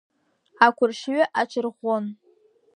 Ақәыршҩы аҽарӷәӷәон.